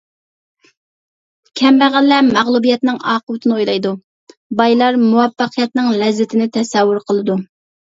كەمبەغەللەر مەغلۇبىيەتنىڭ ئاقىۋىتىنى ئويلايدۇ، بايلار مۇۋەپپەقىيەتنىڭ لەززىتىنى تەسەۋۋۇر قىلىدۇ.